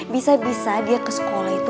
bisa bisa dia ke sekolah itu